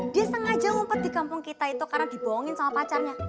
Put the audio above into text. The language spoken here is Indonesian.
dia sengaja ngumpet di kampung kita itu karena dibohongin sama pacarnya